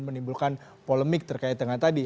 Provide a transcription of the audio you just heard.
menimbulkan polemik terkait dengan tadi